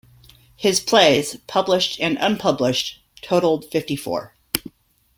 His plays, published and unpublished, totaled fifty-four.